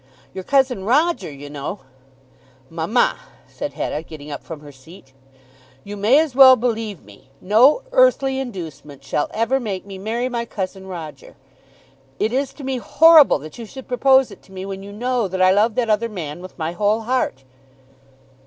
Your cousin Roger, you know " "Mamma," said Hetta, getting up from her seat, "you may as well believe me. No earthly inducement shall ever make me marry my cousin Roger. It is to me horrible that you should propose it to me when you know that I love that other man with my whole heart."